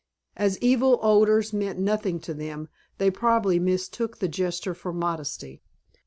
As evil odors meant nothing to them, they probably mistook the gesture for modesty.